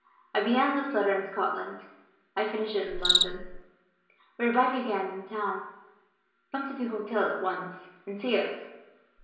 "I began this letter in Scotland; I finish it in London. "We are back again in town. Come to the hotel at once, and see us."